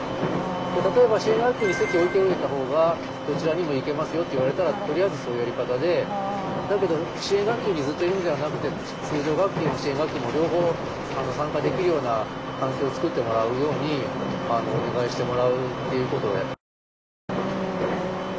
例えば「支援学級に籍置いておいた方がどちらにも行けますよ」って言われたらとりあえずそういうやり方でだけど支援学級にずっといるんではなくて通常学級も支援学級も両方参加できるような環境を作ってもらうようにお願いしてもらうっていうことをやってますけどね。